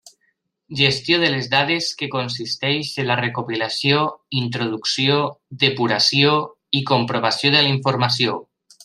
Gestió de les dades que consisteix en la recopilació, introducció, depuració i comprovació de la informació.